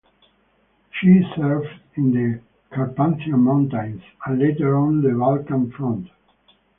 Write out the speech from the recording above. She served in the Carpathian Mountains and later on the Balkan front.